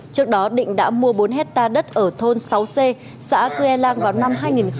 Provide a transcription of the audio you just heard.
trước đó định đã mua bốn hectare đất ở thôn sáu c xã cư e lang vào năm hai nghìn một mươi bảy